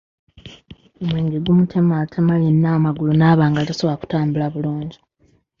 Omwenge gumutematema yenna amagulu naaba nga tasobola kutambula bulungi.